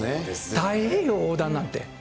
太平洋横断なんて。